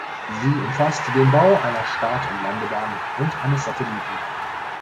Sie umfasst den Bau einer Start- und Landebahn und eines Satelliten.